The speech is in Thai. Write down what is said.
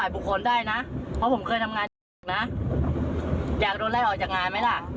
เพราะผมเคยทำงานนะอยากโดนไล่ออกจากงานไหมล่ะ